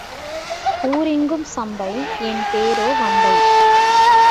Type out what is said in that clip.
ஊர் எங்கும் சம்பை என் பேரோ வம்பை.